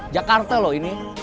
jakarta loh ini